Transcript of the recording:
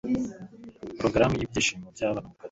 Porogaramu yibyigisho byabana mu gatabo